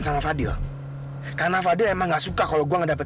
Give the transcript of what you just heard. sekarang kasih tau gua